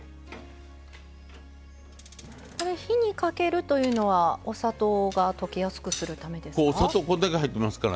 火にかけるというのはお砂糖が溶けやすくするためですか？